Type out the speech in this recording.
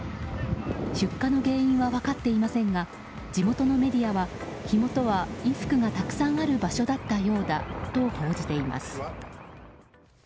出火の原因は分かっていませんが地元のメディアは火元は衣服がたくさんある場所だったようだと報じています。